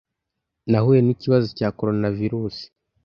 Nahuye n’ikibazo cya Coronavirusi.